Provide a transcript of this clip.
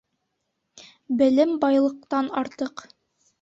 Белем байлыхтан артыҡ.